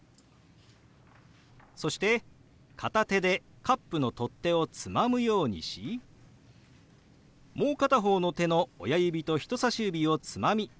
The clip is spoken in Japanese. そして片手でカップの取っ手をつまむようにしもう片方の手の親指と人さし指をつまみかき混ぜるように動かします。